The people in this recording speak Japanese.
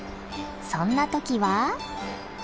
そんな時は。